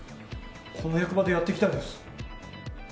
この役場でやっていきたいです。